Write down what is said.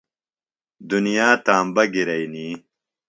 دُنیا تامبہ گِرئنی۔